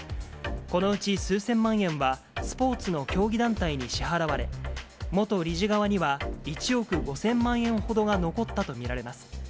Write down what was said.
このうち数千万円は、スポーツの競技団体に支払われ、元理事側には、１億５０００万円ほどが残ったと見られます。